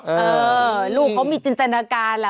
เออลูกเค้ามีจินตนาการค่ะ